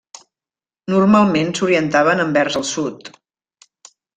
Normalment s'orientaven envers el sud.